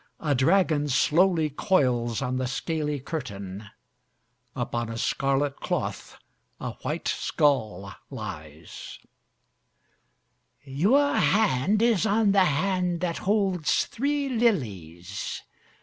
A dragon slowly coils on the scaly curtain. Upon a scarlet cloth a white skull lies. 'Your hand is on the hand that holds three lilies.